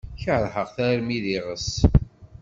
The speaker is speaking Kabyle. Keṛheɣ-t armi d iɣes.